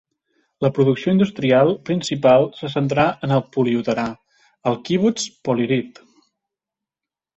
La producció industrial principal se centra en el poliuretà al quibuts Polyrit.